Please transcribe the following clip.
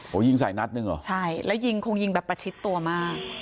โอ้โหยิงใส่นัดหนึ่งเหรอใช่แล้วยิงคงยิงแบบประชิดตัวมาก